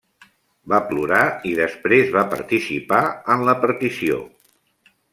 Va plorar i després va participar en la partició.